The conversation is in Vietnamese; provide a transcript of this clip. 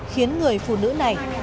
khiến người phụ nữ này